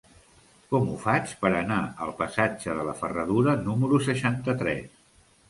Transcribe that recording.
Com ho faig per anar al passatge de la Ferradura número seixanta-tres?